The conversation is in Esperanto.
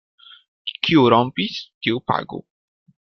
Kiu rompis, tiu pagu.